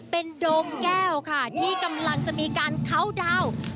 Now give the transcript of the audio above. เป็นดงแก้วค่ะที่กำลังจะมีการเข้าดาวน์